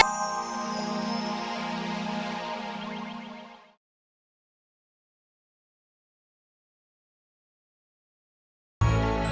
jauh agak goat